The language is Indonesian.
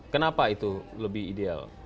kenapa itu lebih ideal